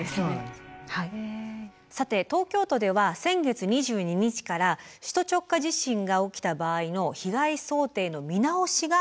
さて東京都では先月２２日から首都直下地震が起きた場合の被害想定の見直しが始まりました。